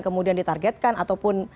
kemudian ditargetkan ataupun